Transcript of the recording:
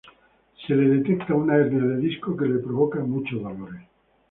Se le detecta una hernia de disco que le provoca muchos dolores.